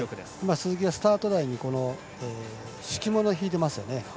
鈴木がスタート台に敷き物を敷いてますよね。